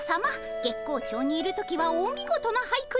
月光町にいる時はお見事な俳句にございます。